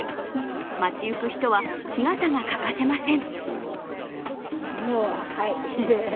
街ゆく人は、日傘が欠かせません。